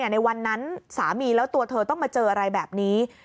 ในวันนั้นสามีแล้วตัวเธอต้องมาเจออะไรแบบนี้